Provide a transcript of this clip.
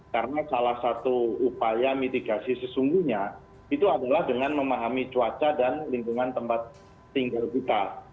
karena salah satu upaya mitigasi sesungguhnya itu adalah dengan memahami cuaca dan lingkungan tempat tinggal kita